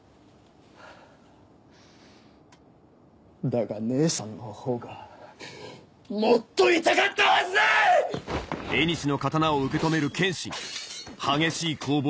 だが姉さんのほうがもっと痛かったはずだ‼おりゃ‼